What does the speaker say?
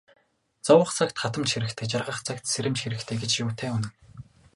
Зовох цагт хатамж хэрэгтэй, жаргах цагт сэрэмж хэрэгтэй гэж юутай үнэн.